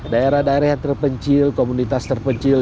daerah daerah yang terpencil komunitas terpencil